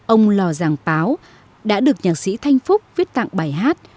ông lò giàng páo đã được nhạc sĩ thanh phúc viết tặng bài hát